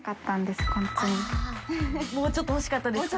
もうちょっとほしかったです。